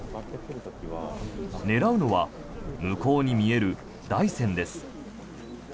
狙うのは向こうに見える大山です。